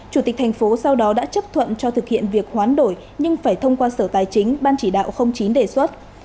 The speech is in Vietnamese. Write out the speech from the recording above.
chủ tịch thành phố sau đó đã chấp thuận cho thực hiện việc hoán đổi nhưng phải thông qua sở tài chính ban chỉ đạo chín đề xuất